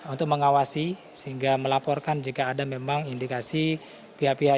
untuk mengawasi sehingga melaporkan jika ada memang indikasi pihak pihak